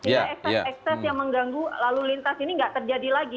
jadi ekses ekses yang mengganggu lalu lintas ini nggak terjadi lagi